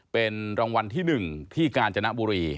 เป็นรางวัลที่๑ที่กาญจนบุรี